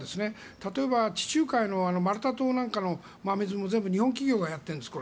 例えば地中海のマルタ島なんかの真水も全部日本企業がやってるんです。